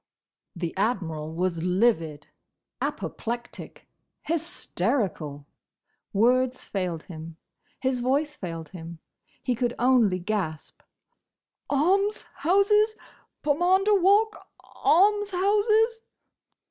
The Admiral was livid—apoplectic—hysterical. Words failed him. His voice failed him. He could only gasp, "Almshouses!—Pomander Walk!—Almshouses!"